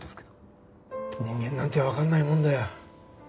人間なんてわかんないもんだよ。